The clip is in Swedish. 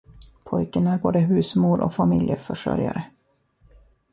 Pojken är både husmor och familjeförsörjare.